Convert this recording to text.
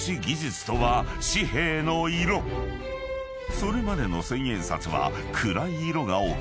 ［それまでの千円札は暗い色が多く］